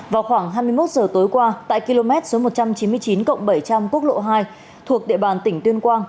vào khoảng hai mươi một giờ tối qua tại km số một trăm chín mươi chín bảy trăm linh quốc lộ hai thuộc địa bàn tỉnh tuyên quang